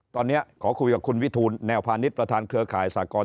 ตอนนี้ขอคุยกับคุณวิทูลแนวพาณิชย์ประธานเครือข่ายสากร